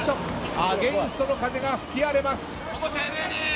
アゲインストの風が吹き荒れます。